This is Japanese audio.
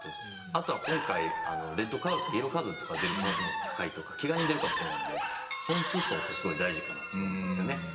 あとは今回レッドカードとイエローカードとか出る可能性も高いとかケガ人出るかもしれないので選手層ってすごい大事かなと思います。